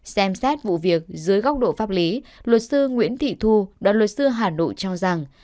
xem xét vụ việc dưới góc độ pháp lý luật sư nguyễn thị thu đoàn luật sư hà nội cho rằng